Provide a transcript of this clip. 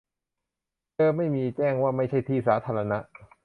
เดิมไม่มี แจ้งว่าไม่ใช่ที่สาธารณะ